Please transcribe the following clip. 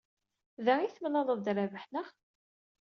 Da ay d-temlalemt ed Rabaḥ, naɣ?